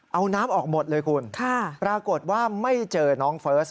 เอาน้ำออกหมดเลยคุณปรากฏว่าไม่เจอน้องเฟิร์ส